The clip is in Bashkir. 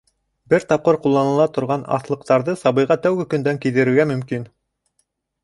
Бер тапҡыр ҡулланыла торған аҫлыҡтарҙы сабыйға тәүге көндән кейҙерергә мөмкин.